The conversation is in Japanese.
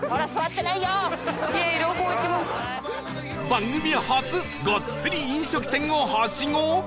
番組初がっつり飲食店をハシゴ！？